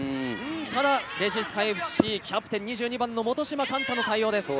ただレジスタＦＣ、キャプテン２２番の元島幹太の対応です。